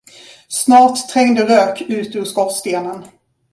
Snart trängde rök ut ur skorstenen.